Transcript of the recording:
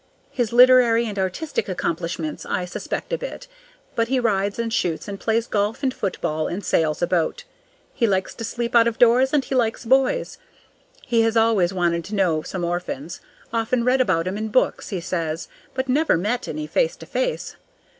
His literary and artistic accomplishments I suspect a bit, but he rides and shoots and plays golf and football and sails a boat. He likes to sleep out of doors and he likes boys. He has always wanted to know some orphans; often read about 'em in books, he says, but never met any face to face.